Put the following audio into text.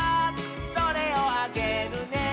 「それをあげるね」